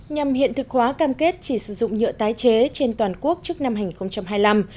nhằm hiện thực hóa cam kết chỉ sử dụng nhựa tái chế trên toàn quốc trước năm hai nghìn hai mươi năm